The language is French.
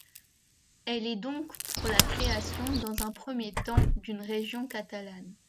Elle est donc pour la création, dans un premier temps, d’une région catalane.